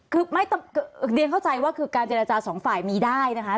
คือไม่เรียนเข้าใจว่าคือการเจรจาสองฝ่ายมีได้นะคะ